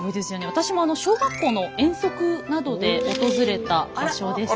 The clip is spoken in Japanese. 私も小学校の遠足などで訪れた場所です。